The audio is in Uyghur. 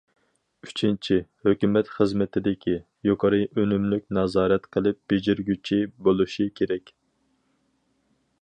ئۈچىنچى، ھۆكۈمەت خىزمىتىدىكى‹‹ يۇقىرى ئۈنۈملۈك نازارەت قىلىپ بېجىرگۈچى›› بولۇشى كېرەك.